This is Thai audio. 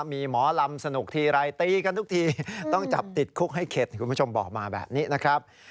มีหมอลำสนุกทีไรตีกันทุกทีต้องจับติดคุกให้เข็ดคุณผู้ชมบอกมาแบบนี้นะครับ